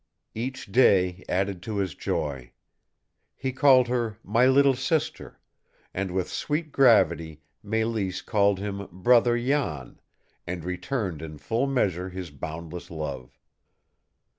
Each day added to his joy. He called her "my little sister," and with sweet gravity Mélisse called him "brother Jan," and returned in full measure his boundless love.